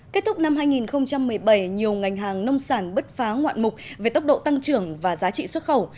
kết thúc năm hai nghìn một mươi bảy nhiều ngành hàng nông sản bứt phá ngoạn mục về tốc độ tăng trưởng và giá trị xuất khẩu